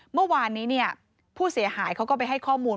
เมื่อวานนี้ผู้เสียหายเขาก็ไปให้ข้อมูล